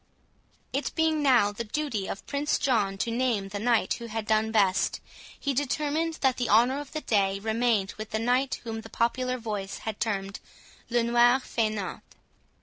It being now the duty of Prince John to name the knight who had done best, he determined that the honour of the day remained with the knight whom the popular voice had termed "Le Noir Faineant."